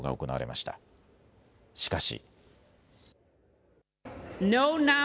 しかし。